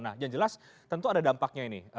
nah yang jelas tentu ada dampaknya ini